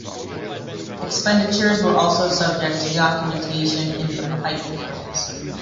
Expenditures were also subject to documentation in the Pipe rolls.